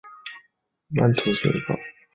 告官无益也。